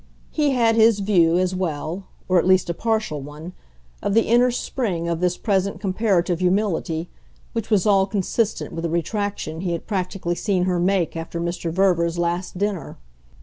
He had his view, as well or at least a partial one of the inner spring of this present comparative humility, which was all consistent with the retraction he had practically seen her make after Mr. Verver's last dinner.